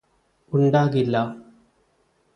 ഉണ്ടാകില്ല